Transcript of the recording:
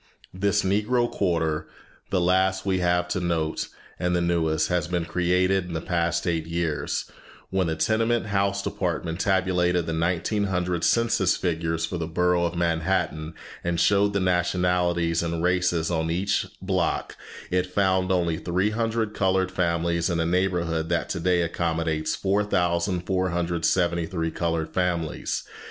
This Negro quarter, the last we have to note and the newest, has been created in the past eight years. When the Tenement House Department tabulated the 1900 census figures for the Borough of Manhattan, and showed the nationalities and races on each block, it found only 300 colored families in a neighborhood that today accommodates 4473 colored families.